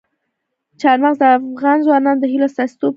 چار مغز د افغان ځوانانو د هیلو استازیتوب کوي.